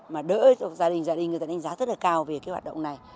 mà đỡ cho gia đình gia đình người ta đánh giá rất là cao về cái hoạt động này